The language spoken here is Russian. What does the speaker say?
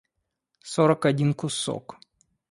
сорок один кусок